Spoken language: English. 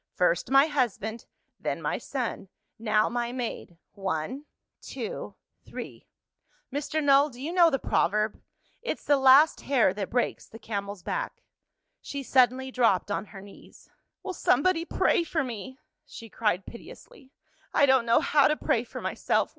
"First my husband. Then my son. Now my maid. One, two, three. Mr. Null, do you know the proverb? 'It's the last hair that breaks the camel's back.'" She suddenly dropped on her knees. "Will somebody pray for me?" she cried piteously. "I don't know how to pray for myself.